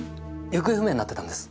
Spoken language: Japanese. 行方不明になってたんです。